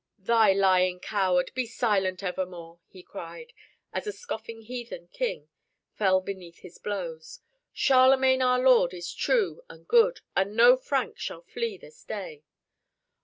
"Thou lying coward, be silent evermore!" he cried, as a scoffing heathen king fell beneath his blows. "Charlemagne our lord is true and good, and no Frank shall flee this day."